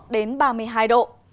đến ba mươi hai độ